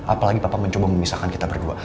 apalagi papa mencoba memisahkan kita berdua